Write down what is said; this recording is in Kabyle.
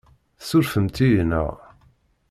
Tessurfemt-iyi, naɣ?